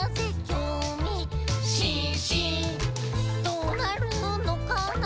「どーなるのかな？